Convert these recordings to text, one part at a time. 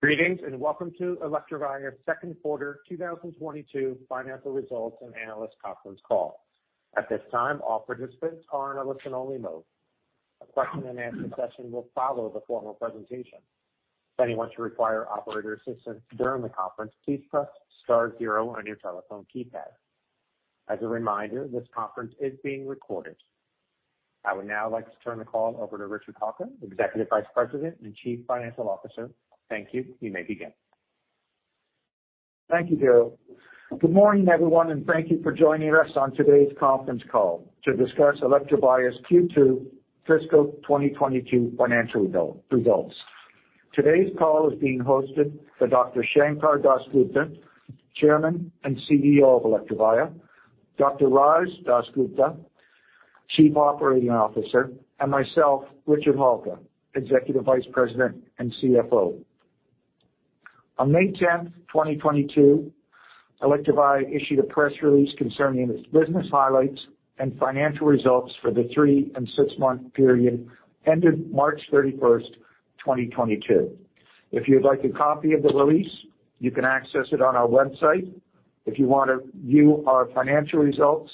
Greetings, and welcome to Electrovaya's second quarter 2022 financial results and analyst conference call. At this time, all participants are in a listen-only mode. A question-and-answer session will follow the formal presentation. If anyone should require operator assistance during the conference, please press star zero on your telephone keypad. As a reminder, this conference is being recorded. I would now like to turn the call over to Richard Halka, Executive Vice President and Chief Financial Officer. Thank you. You may begin. Thank you, Darryl. Good morning, everyone, and thank you for joining us on today's conference call to discuss Electrovaya's Q2 fiscal 2022 financial results. Today's call is being hosted by Dr. Sankar DasGupta, Chairman and CEO of Electrovaya, Dr. Raj S. DasGupta, Chief Operating Officer, and myself, Richard Halka, Executive Vice President and CFO. On May 10, 2022, Electrovaya issued a press release concerning its business highlights and financial results for the three- and six-month period ended March 31, 2022. If you'd like a copy of the release, you can access it on our website. If you wanna view our financial results,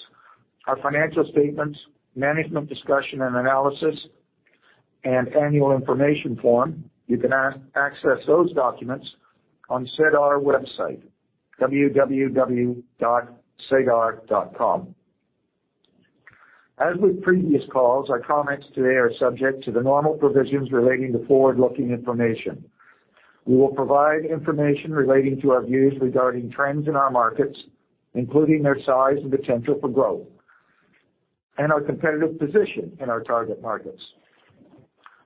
our financial statements, management discussion and analysis, and annual information form, you can access those documents on SEDAR website, www.sedar.com. As with previous calls, our comments today are subject to the normal provisions relating to forward-looking information. We will provide information relating to our views regarding trends in our markets, including their size and potential for growth, and our competitive position in our target markets.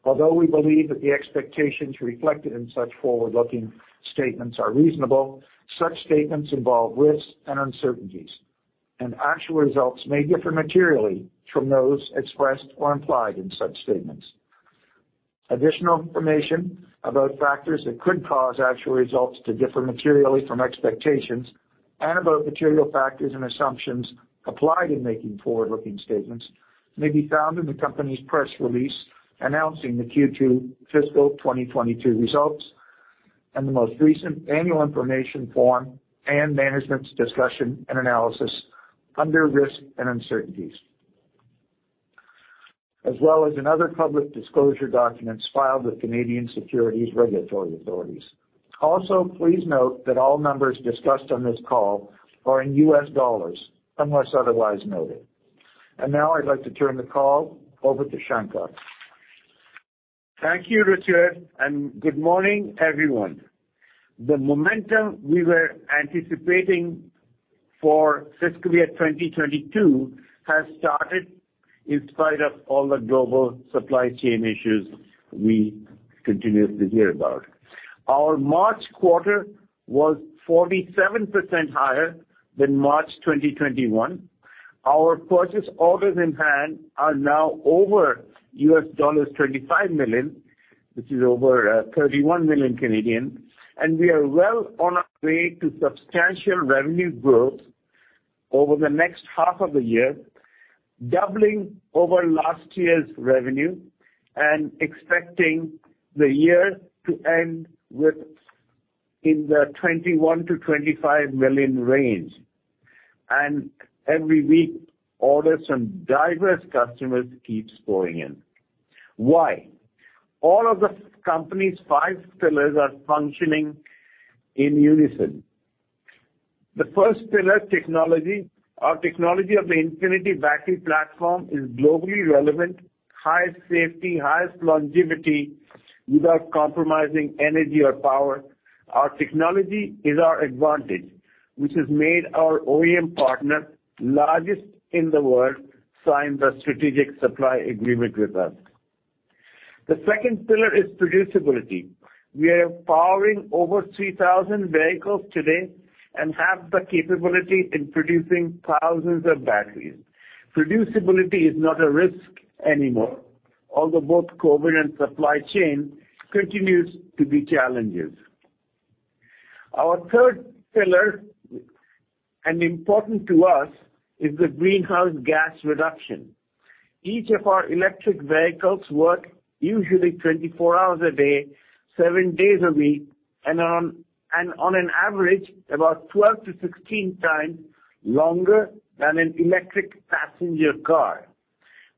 Although we believe that the expectations reflected in such forward-looking statements are reasonable, such statements involve risks and uncertainties, and actual results may differ materially from those expressed or implied in such statements. Additional information about factors that could cause actual results to differ materially from expectations and about material factors and assumptions applied in making forward-looking statements may be found in the company's press release announcing the Q2 fiscal 2022 results, and the most recent annual information form and management's discussion and analysis under risks and uncertainties, as well as in other public disclosure documents filed with Canadian securities regulatory authorities. Also, please note that all numbers discussed on this call are in US dollars unless otherwise noted. Now I'd like to turn the call over to Sankar. Thank you, Richard, and good morning, everyone. The momentum we were anticipating for fiscal year 2022 has started in spite of all the global supply chain issues we continuously hear about. Our March quarter was 47% higher than March 2021. Our purchase orders in hand are now over $25 million, which is over 31 million. We are well on our way to substantial revenue growth over the next half of the year, doubling over last year's revenue and expecting the year to end with in the $21 million-$25 million range. Every week, orders from diverse customers keeps pouring in. Why? All of the company's five pillars are functioning in unison. The first pillar, technology. Our technology of the Infinity battery platform is globally relevant, highest safety, highest longevity without compromising energy or power. Our technology is our advantage, which has made our OEM partner, largest in the world, sign the strategic supply agreement with us. The second pillar is producibility. We are powering over 3,000 vehicles today and have the capability in producing thousands of batteries. Producibility is not a risk anymore, although both COVID and supply chain continues to be challenges. Our third pillar, important to us, is the greenhouse gas reduction. Each of our electric vehicles work usually 24 hours a day, 7 days a week, and on average, about 12-16 times longer than an electric passenger car,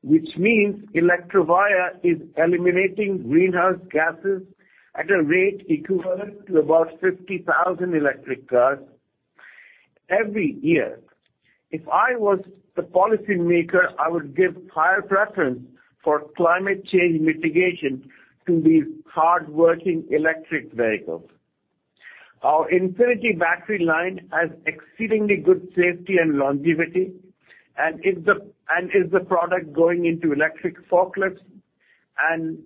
which means Electrovaya is eliminating greenhouse gases at a rate equivalent to about 50,000 electric cars every year. If I was the policy maker, I would give higher preference for climate change mitigation to these hardworking electric vehicles. Our Infinity battery line has exceedingly good safety and longevity, and is the product going into electric forklifts and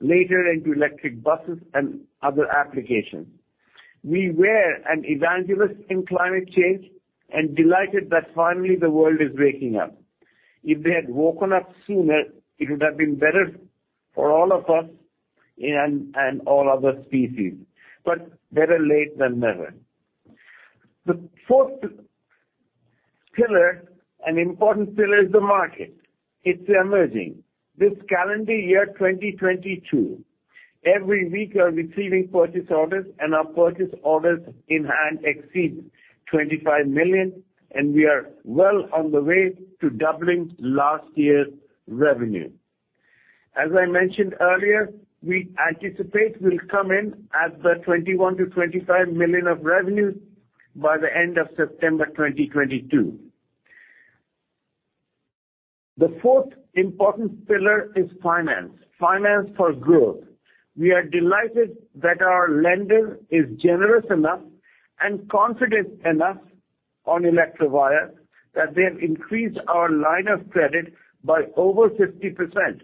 later into electric buses and other applications. We were an evangelist in climate change and delighted that finally the world is waking up. If they had woken up sooner, it would have been better for all of us and all other species. Better late than never. The fourth pillar, an important pillar, is the market. It's emerging. This calendar year, 2022, every week we are receiving purchase orders, and our purchase orders in hand exceed $25 million, and we are well on the way to doubling last year's revenue. As I mentioned earlier, we anticipate we'll come in at the $21 million-$25 million of revenue by the end of September 2022. The fourth important pillar is finance for growth. We are delighted that our lender is generous enough and confident enough on Electrovaya that they have increased our line of credit by over 50%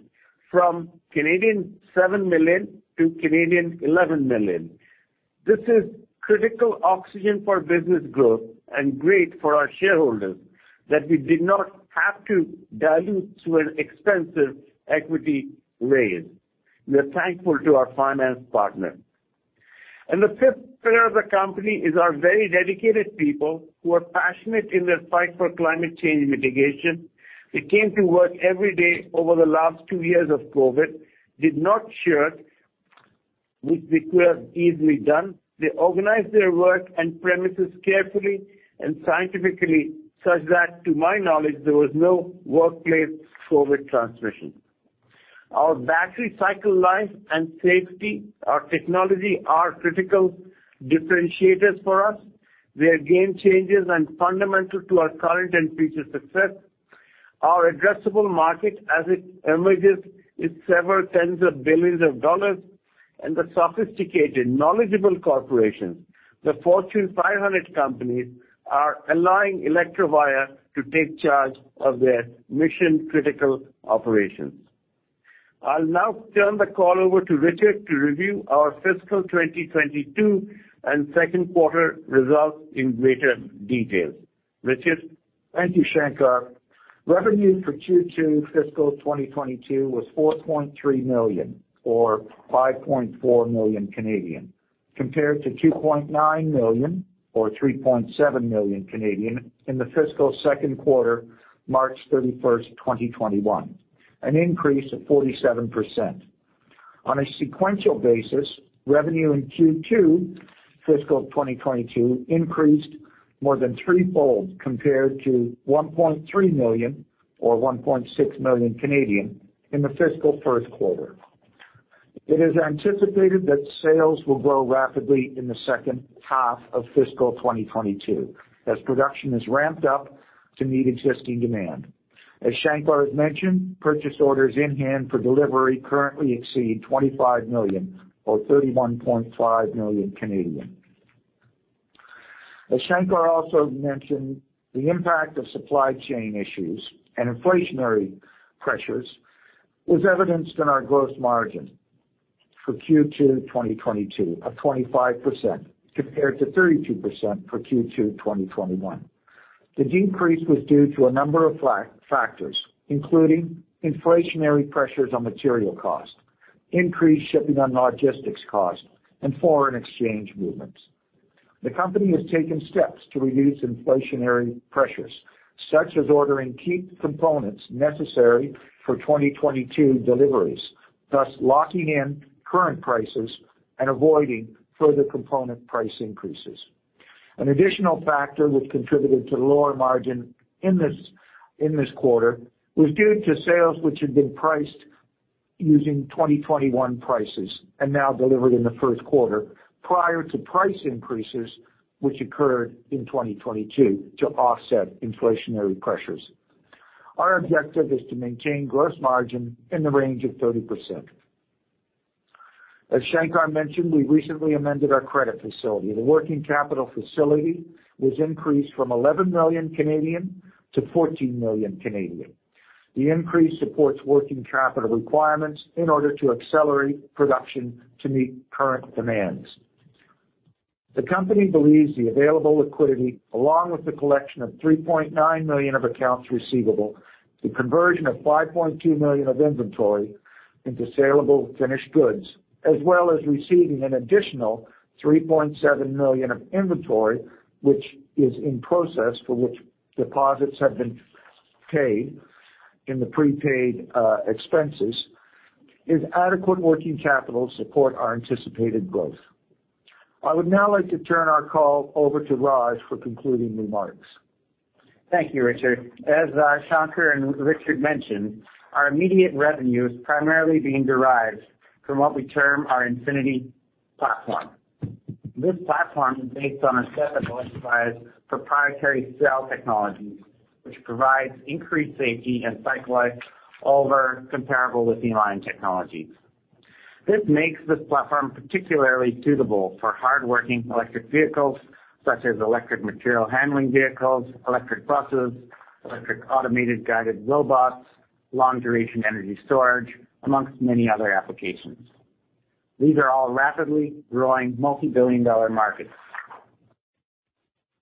from 7 million-11 million. This is critical oxygen for business growth and great for our shareholders that we did not have to dilute to an expensive equity raise. We are thankful to our finance partner. The fifth pillar of the company is our very dedicated people who are passionate in their fight for climate change mitigation. They came to work every day over the last two years of COVID, did not shirk, which could have easily done. They organized their work and premises carefully and scientifically such that to my knowledge, there was no workplace COVID transmission. Our battery cycle life and safety, our technology are critical differentiators for us. They are game changers and fundamental to our current and future success. Our addressable market as it emerges is several $10 billions and the sophisticated, knowledgeable corporations, the Fortune 500 companies are allowing Electrovaya to take charge of their mission-critical operations. I'll now turn the call over to Richard to review our fiscal 2022 and second quarter results in greater detail. Richard? Thank you, Sankar. Revenue for Q2 fiscal 2022 was $4.3 million or 5.4 million, compared to $2.9 million or 3.7 million in the fiscal second quarter, March 31, 2021, an increase of 47%. On a sequential basis, revenue in Q2 fiscal 2022 increased more than three-fold compared to $1.3 million or 1.6 million in the fiscal first quarter. It is anticipated that sales will grow rapidly in the second half of fiscal 2022 as production is ramped up to meet existing demand. As Sankar has mentioned, purchase orders in-hand for delivery currently exceed $25 million or 31.5 million. As Sankar also mentioned, the impact of supply chain issues and inflationary pressures is evidenced in our gross margin for Q2 2022 of 25% compared to 32% for Q2 2021. The decrease was due to a number of factors, including inflationary pressures on material cost, increased shipping and logistics cost, and foreign exchange movements. The company has taken steps to reduce inflationary pressures, such as ordering key components necessary for 2022 deliveries, thus locking in current prices and avoiding further component price increases. An additional factor which contributed to lower margin in this quarter was due to sales which had been priced using 2021 prices and now delivered in the first quarter prior to price increases which occurred in 2022 to offset inflationary pressures. Our objective is to maintain gross margin in the range of 30%. As Sankar mentioned, we recently amended our credit facility. The working capital facility was increased from 11 million to 14 million. The increase supports working capital requirements in order to accelerate production to meet current demands. The company believes the available liquidity, along with the collection of $3.9 million of accounts receivable, the conversion of $5.2 million of inventory into saleable finished goods, as well as receiving an additional $3.7 million of inventory, which is in process for which deposits have been paid in the prepaid expenses, is adequate working capital to support our anticipated growth. I would now like to turn our call over to Raj for concluding remarks. Thank you, Richard. As Sankar and Richard mentioned, our immediate revenue is primarily being derived from what we term our Infinity platform. This platform is based on a set of Electrovaya's proprietary cell technologies, which provides increased safety and cycle life over comparable lithium-ion technologies. This makes this platform particularly suitable for hardworking electric vehicles such as electric material handling vehicles, electric buses, electric automated guided robots, long duration energy storage, among many other applications. These are all rapidly growing multi-billion-dollar markets.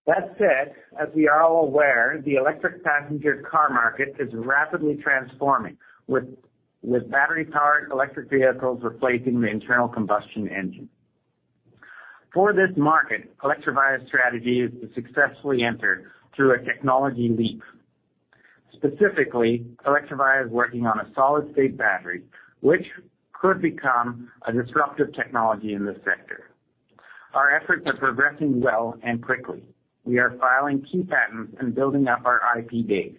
That said, as we are all aware, the electric passenger car market is rapidly transforming with battery-powered electric vehicles replacing the internal combustion engine. For this market, Electrovaya's strategy is to successfully enter through a technology leap. Specifically, Electrovaya is working on a solid-state battery, which could become a disruptive technology in this sector. Our efforts are progressing well and quickly. We are filing key patents and building up our IP base.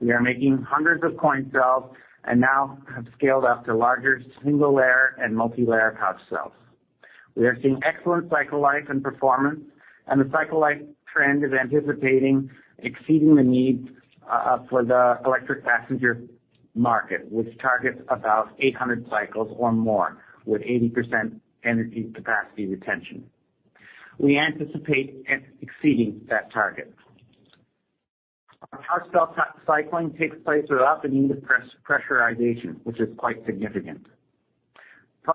We are making hundreds of coin cells and now have scaled up to larger single-layer and multilayer pouch cells. We are seeing excellent cycle life and performance, and the cycle life trend is anticipating exceeding the needs for the electric passenger market, which targets about 800 cycles or more with 80% energy capacity retention. We anticipate exceeding that target. Our pouch cell cycling takes place without the need of pressurization, which is quite significant.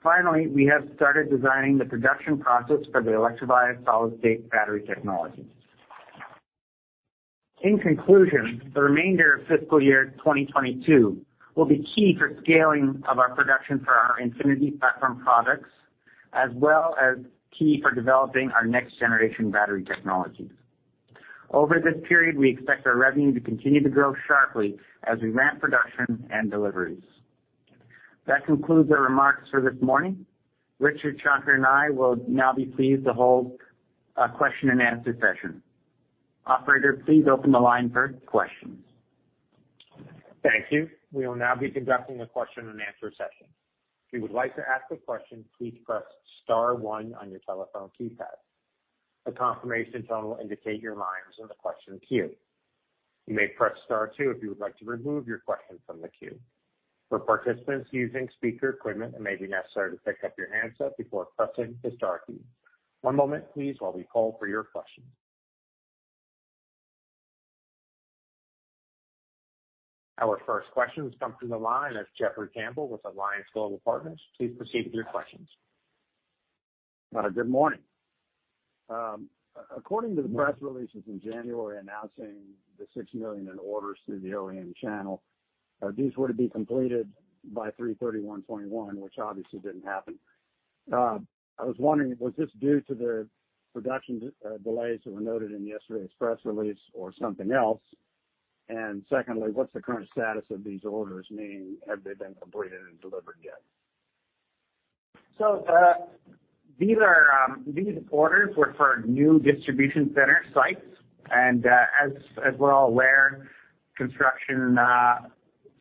Finally, we have started designing the production process for the Electrovaya solid-state battery technology. In conclusion, the remainder of fiscal year 2022 will be key for scaling of our production for our Infinity platform products, as well as key for developing our next-generation battery technologies. Over this period, we expect our revenue to continue to grow sharply as we ramp production and deliveries. That concludes our remarks for this morning. Richard Halka and I will now be pleased to hold a question-and-answer session. Operator, please open the line for questions. Thank you. We will now be conducting a question-and-answer session. If you would like to ask a question, please press star one on your telephone keypad. A confirmation tone will indicate your line is in the question queue. You may press star two if you would like to remove your question from the queue. For participants using speaker equipment, it may be necessary to pick up your handset before pressing the star key. One moment, please, while we call for your questions. Our first question has come through the line. It's Jeffrey Campbell with Alliance Global Partners. Please proceed with your questions. Good morning. According to the press releases in January announcing the $6 million in orders through the OEM channel, these were to be completed by 3/31/2021, which obviously didn't happen. I was wondering, was this due to the production delays that were noted in yesterday's press release or something else? Secondly, what's the current status of these orders, meaning have they been completed and delivered yet? These orders were for new distribution center sites. As we're all aware, construction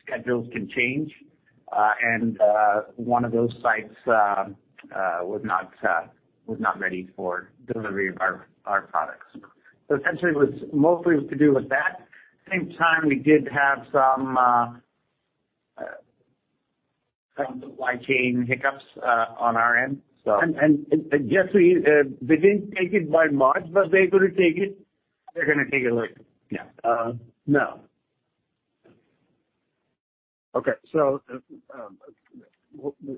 schedules can change. One of those sites was not ready for delivery of our products. Essentially, it was mostly to do with that. At the same time, we did have some supply chain hiccups on our end. Jeffrey, they didn't take it by March, but they're gonna take it? They're gonna take it late, yeah. No. Okay.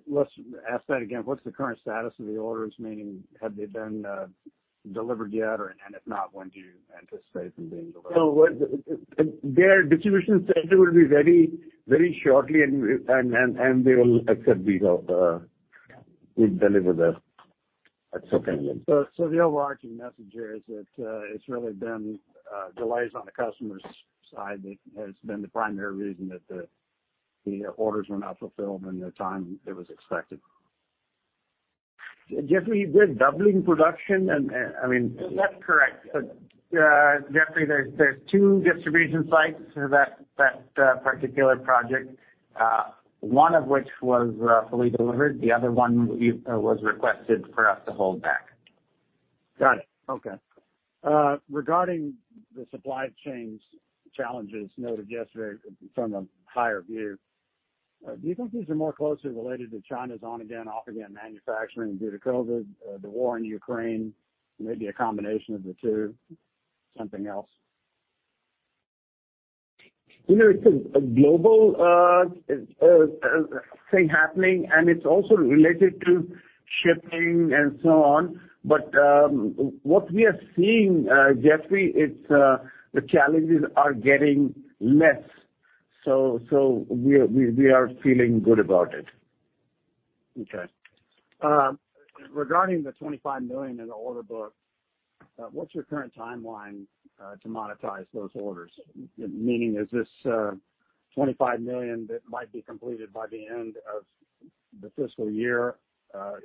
Let's ask that again. What's the current status of the orders, meaning have they been delivered yet? And if not, when do you anticipate them being delivered? Their distribution center will be ready very shortly, and they will accept these orders. We'll deliver them at some point. The overarching message here is that it's really been delays on the customer's side that has been the primary reason that the orders were not fulfilled in the time it was expected. Jeffrey, we're doubling production and, I mean. That's correct. Jeffrey, there's two distribution sites for that particular project, one of which was fully delivered, the other one was requested for us to hold back. Got it. Okay. Regarding the supply chains challenges noted yesterday from a higher view, do you think these are more closely related to China's on-again, off-again manufacturing due to COVID, the war in Ukraine, maybe a combination of the two, something else? You know, it's a global thing happening, and it's also related to shipping and so on. What we are seeing, Jeffrey, it's the challenges are getting less. We are feeling good about it. Okay. Regarding the $25 million in the order book, what's your current timeline to monetize those orders? Meaning is this $25 million that might be completed by the end of the fiscal year?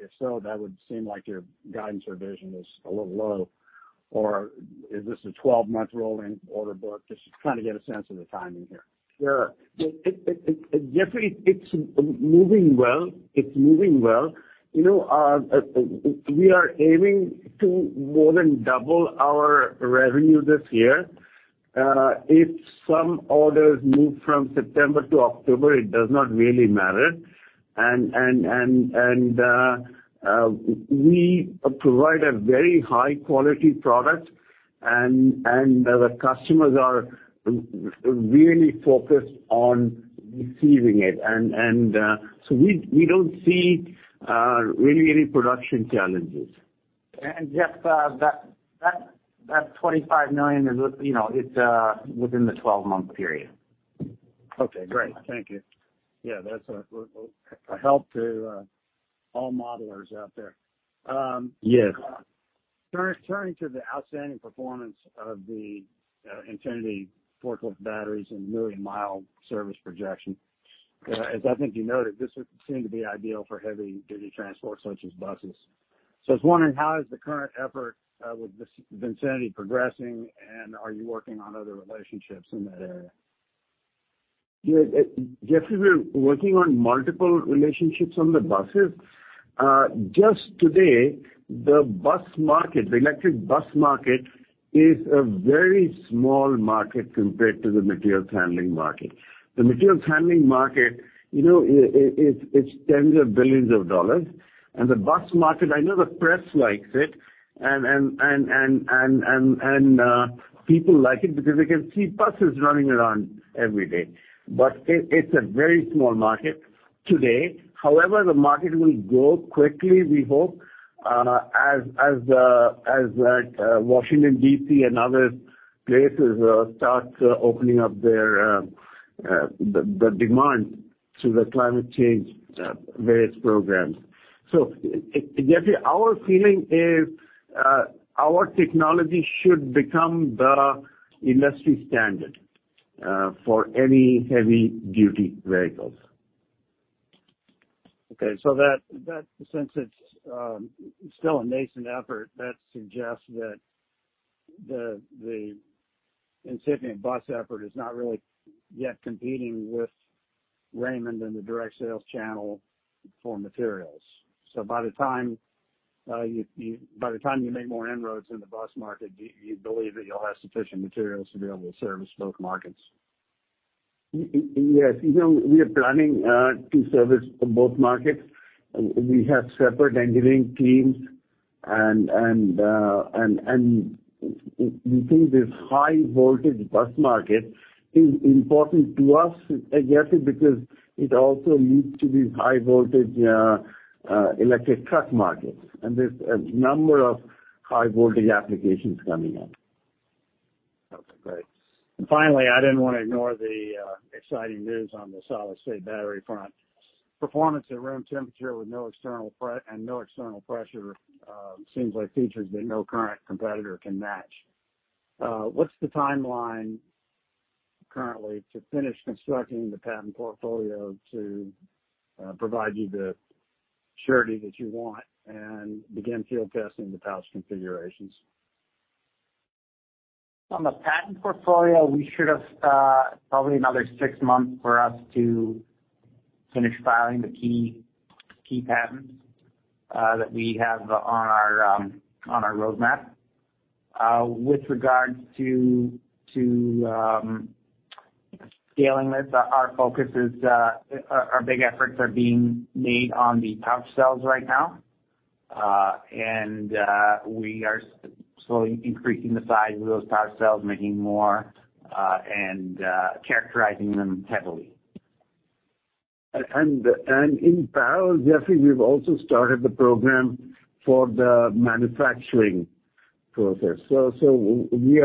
If so, that would seem like your guidance or vision is a little low. Or is this a 12-month rolling order book? Just to kind of get a sense of the timing here. Sure. Jeffrey, it's moving well. It's moving well. You know, we are aiming to more than double our revenue this year. If some orders move from September to October, it does not really matter. We provide a very high quality product and the customers are really focused on receiving it. We don't see really any production challenges. Jeff, that $25 million is, you know, it's within the 12-month period. Okay, great. Thank you. Yeah, that's a help to all modelers out there. Yes. Turning to the outstanding performance of the Infinity forklift batteries and million-mile service projection, as I think you noted, this would seem to be ideal for heavy-duty transport such as buses. I was wondering, how is the current effort with this Infinity progressing and are you working on other relationships in that area? Yes, Jeffrey, we're working on multiple relationships on the buses. Just today, the bus market, the electric bus market is a very small market compared to the materials handling market. The materials handling market, it's $10 billions. The bus market, I know the press likes it and people like it because they can see buses running around every day, but it's a very small market today. However, the market will grow quickly, we hope, Washington, D.C. and other places start opening up to the demand of the climate change various programs. Jeffrey, our feeling is, our technology should become the industry standard for any heavy-duty vehicles. Okay, that since it's still a nascent effort, that suggests that the Infinity bus effort is not really yet competing with Raymond in the direct sales channel for materials. By the time you make more inroads in the bus market, do you believe that you'll have sufficient materials to be able to service both markets? Yes. You know, we are planning to service both markets. We have separate engineering teams and we think this high voltage bus market is important to us, Jeffrey, because it also leads to these high voltage electric truck markets, and there's a number of high voltage applications coming up. Okay, great. Finally, I didn't wanna ignore the exciting news on the solid-state battery front. Performance at room temperature with no external pressure seems like features that no current competitor can match. What's the timeline currently to finish constructing the patent portfolio to provide you the surety that you want and begin field testing the pouch configurations? On the patent portfolio, we should have probably another six months for us to finish filing the key patents that we have on our roadmap. With regards to scaling this, our focus is our big efforts are being made on the pouch cells right now. We are slowly increasing the size of those pouch cells, making more, and characterizing them heavily. in parallel, Jeffrey, we've also started the program for the manufacturing process. We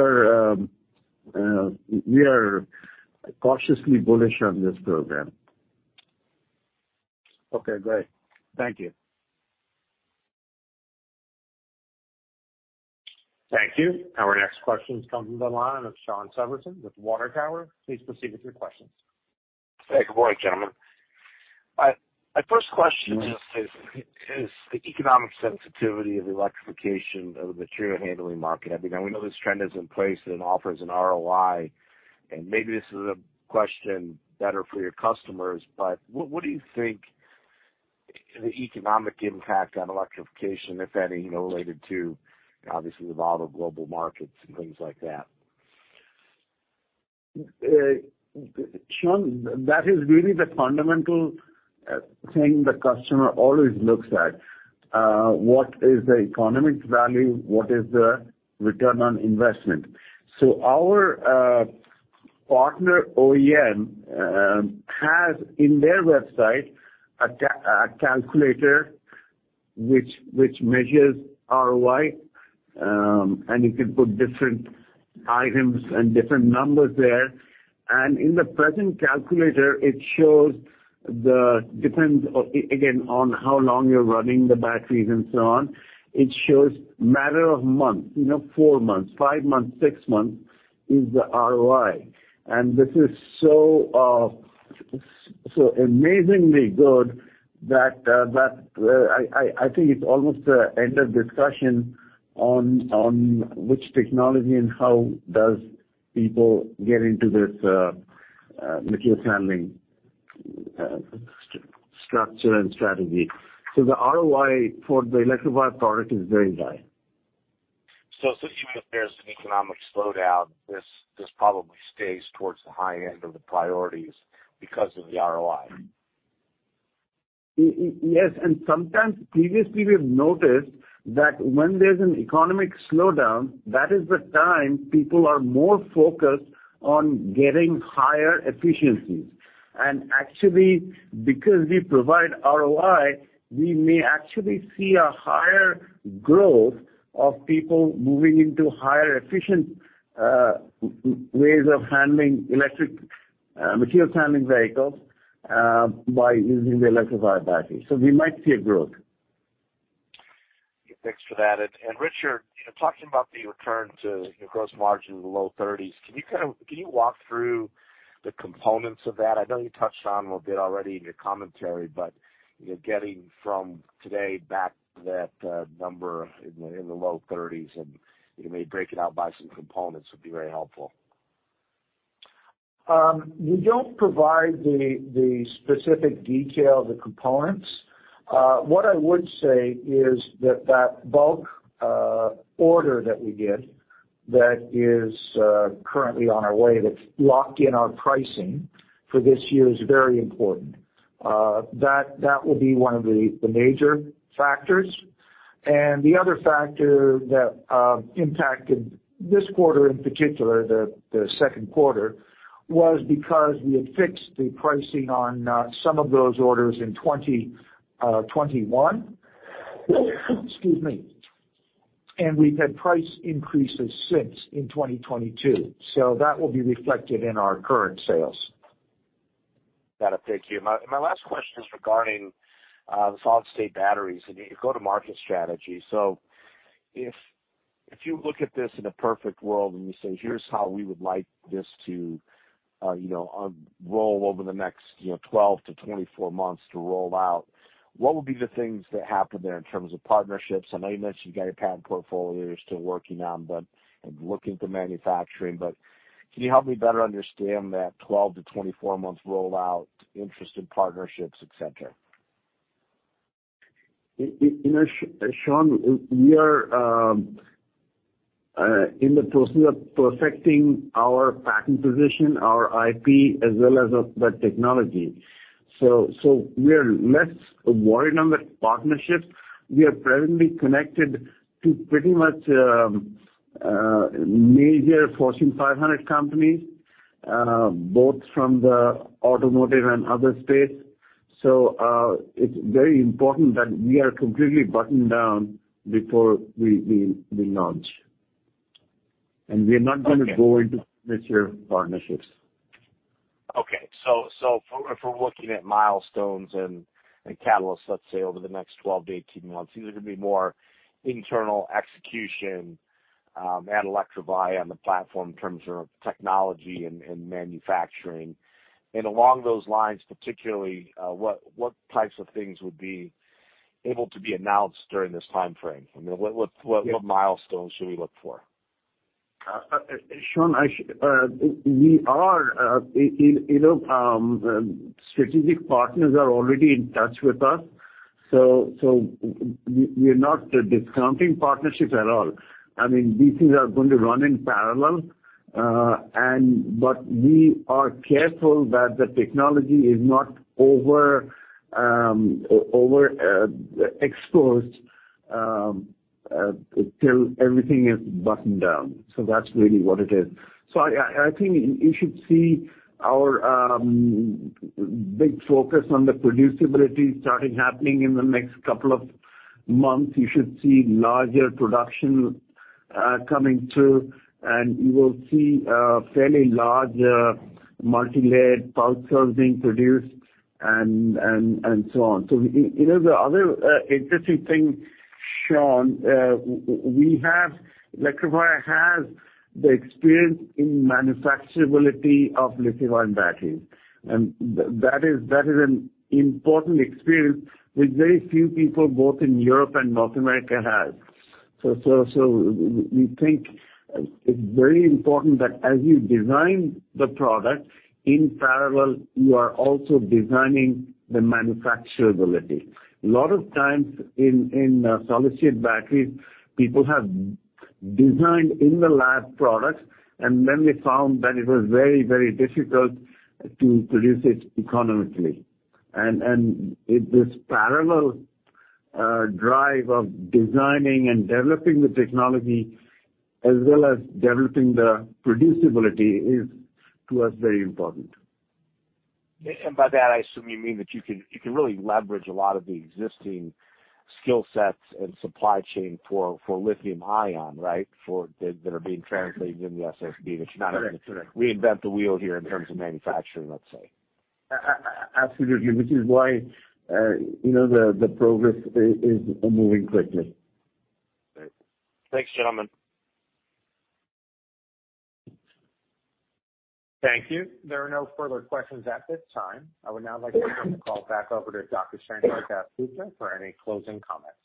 are cautiously bullish on this program. Okay, great. Thank you. Thank you. Our next question comes from the line of Shawn Severson with Water Tower. Please proceed with your questions. Hey, good morning, gentlemen. My first question just is the economic sensitivity of electrification of the material handling market? I mean, I know this trend is in place and offers an ROI, and maybe this is a question better for your customers, but what do you think the economic impact on electrification, if any, you know, related to obviously the volatile global markets and things like that? Sean, that is really the fundamental thing the customer always looks at. What is the economic value? What is the return on investment? Our partner, OEM, has in their website a calculator which measures ROI, and you can put different items and different numbers there. In the present calculator, it shows it depends, again, on how long you're running the batteries and so on. It shows matter of months, you know, four months, five months, six months is the ROI. This is so amazingly good that I think it's almost end of discussion on which technology and how does people get into this materials handling structure and strategy. The ROI for the electrified product is very high. Even if there's an economic slowdown, this probably stays towards the high end of the priorities because of the ROI. Yes. Sometimes previously we've noticed that when there's an economic slowdown, that is the time people are more focused on getting higher efficiencies. Actually, because we provide ROI, we may actually see a higher growth of people moving into higher efficient ways of handling electric material handling vehicles by using the Electrovaya battery. We might see a growth. Thanks for that. And Richard, you know, talking about the return to, you know, gross margin in the low 30s%, can you walk through the components of that? I know you touched on a little bit already in your commentary, but you're getting from today back to that number in the low 30s%, and if you may break it out by some components would be very helpful. We don't provide the specific detail of the components. What I would say is that bulk order that we get that is currently on the way, that's locked in our pricing for this year is very important. That will be one of the major factors. The other factor that impacted this quarter in particular, the second quarter, was because we had fixed the pricing on some of those orders in 2021. Excuse me. We've had price increases since in 2022, so that will be reflected in our current sales. Got it. Thank you. My last question is regarding the solid-state batteries and your go-to-market strategy. If you look at this in a perfect world and you say, "Here's how we would like this to you know roll over the next you know 12-24 months to roll out," what would be the things that happen there in terms of partnerships? I know you mentioned you got your patent portfolio you're still working on, but and looking for manufacturing. Can you help me better understand that 12-24 months rollout, interest in partnerships, et cetera? In, Shawn, we are in the process of perfecting our patent position, our IP, as well as the technology. We are less worried on the partnerships. We are presently connected to pretty much major Fortune 500 companies both from the automotive and other space. It's very important that we are completely buttoned down before we launch. Okay. We're not gonna go into specific partnerships. Okay. If we're looking at milestones and catalysts, let's say over the next 12 to 18 months, these are gonna be more internal execution at Electrovaya on the platform in terms of technology and manufacturing. Along those lines particularly, what types of things would be able to be announced during this timeframe? I mean, what? Yeah. Milestones should we look for? Sean, we are in, you know, strategic partners are already in touch with us, so we're not discounting partnerships at all. I mean, these things are going to run in parallel. We are careful that the technology is not over exposed till everything is buttoned down. That's really what it is. I think you should see our big focus on the producibility starting happening in the next couple of months. You should see larger production coming through, and you will see a fairly large multilayered pouch cells being produced and so on. You know, the other interesting thing, Sean, Electrovaya has the experience in manufacturability of lithium-ion batteries. That is an important experience which very few people, both in Europe and North America, have. We think it's very important that as you design the product, in parallel you are also designing the manufacturability. A lot of times in solid-state batteries, people have designed in the lab products, and then they found that it was very difficult to produce it economically. This parallel drive of designing and developing the technology as well as developing the producibility is, to us, very important. By that, I assume you mean that you can really leverage a lot of the existing skill sets and supply chain for lithium-ion, right? That are being translated in the SSD, which you're not- Correct. Correct. Having to reinvent the wheel here in terms of manufacturing, let's say. Absolutely, which is why, you know, the progress is moving quickly. Great. Thanks, gentlemen. Thank you. There are no further questions at this time. I would now like to turn the call back over to Dr. Sankar DasGupta for any closing comments.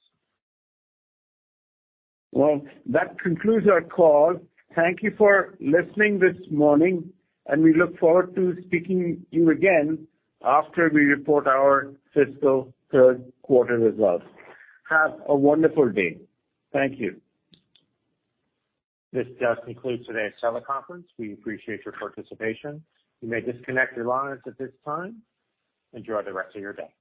Well, that concludes our call. Thank you for listening this morning, and we look forward to speaking to you again after we report our fiscal third quarter results. Have a wonderful day. Thank you. This just concludes today's teleconference. We appreciate your participation. You may disconnect your lines at this time. Enjoy the rest of your day.